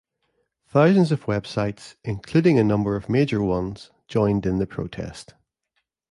Thousands of websites, including a number of major ones, joined in the protest.